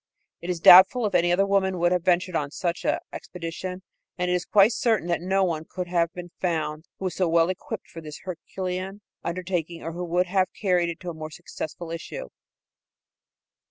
It is doubtful if any other woman would have ventured on such an expedition, and it is quite certain that no other one could have been found that was so well equipped for this herculean undertaking or who would have carried it to a more successful issue.